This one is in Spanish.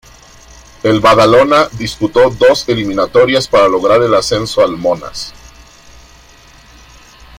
El Badalona disputó dos eliminatorias para lograr el ascenso al monas.